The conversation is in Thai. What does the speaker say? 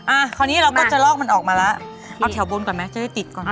อ่าคราวนี้เราก็จะลอกมันออกมาแล้วเอาแถวบนก่อนไหมจะได้ติดก่อน